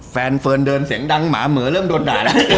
แฟนเฟิร์นเดินเสียงดังหมาเหมือเริ่มโดนด่าแล้ว